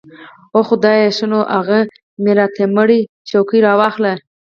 اوح خدايه ښه نو اغه ميراتمړې چوکۍ راواخله.